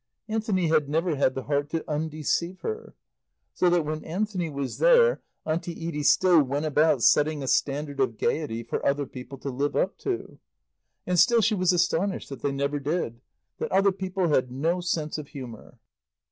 Anthony had never had the heart to undeceive her. So that when Anthony was there Auntie Edie still went about setting a standard of gaiety for other people to live up to; and still she was astonished that they never did, that other people had no sense of humour.